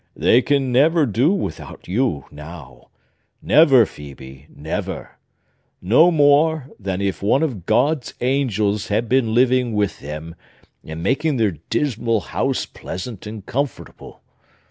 "They can never do without you, now,—never, Phœbe; never—no more than if one of God's angels had been living with them, and making their dismal house pleasant and comfortable!